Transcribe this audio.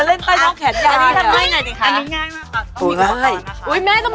เอาลอยขาขึ้นมาก่อน